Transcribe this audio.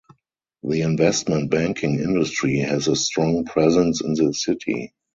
The investment banking industry has a strong presence in the city.